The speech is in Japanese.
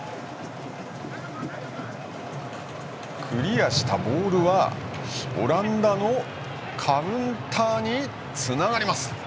クリアしたボールはオランダのカウンターにつながります。